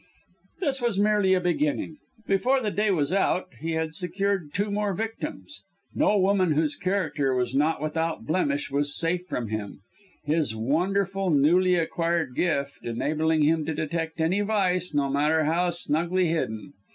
This was merely a beginning. Before the day was out he had secured two more victims. No woman whose character was not without blemish was safe from him his wonderful newly acquired gift enabling him to detect any vice, no matter how snugly hidden.